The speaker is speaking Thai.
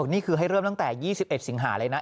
นี่คือให้เริ่มตั้งแต่๒๑สิงหาเลยนะ